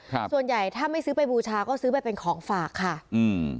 ส่วนใหญ่ถ้าไม่ซื้อไปบูชาก็ซื้อไปเป็นของฝากค่ะอืม